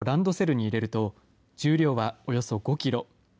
教材などをランドセルに入れると、重量はおよそ５キロ。